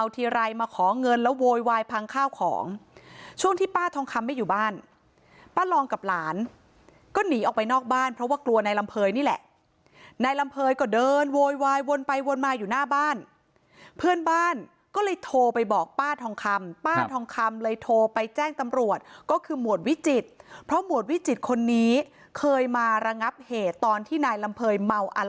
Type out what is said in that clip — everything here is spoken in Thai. ทีไรมาขอเงินแล้วโวยวายพังข้าวของช่วงที่ป้าทองคำไม่อยู่บ้านป้าลองกับหลานก็หนีออกไปนอกบ้านเพราะว่ากลัวนายลำเภยนี่แหละนายลำเภยก็เดินโวยวายวนไปวนมาอยู่หน้าบ้านเพื่อนบ้านก็เลยโทรไปบอกป้าทองคำป้าทองคำเลยโทรไปแจ้งตำรวจก็คือหมวดวิจิตเพราะหมวดวิจิตคนนี้เคยมาระงับเหตุตอนที่นายลำเ